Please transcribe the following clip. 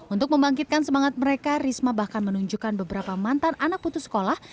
untuk membangkitkan semangat mereka risma bahkan menunjukkan beberapa mantan anak putus sekolah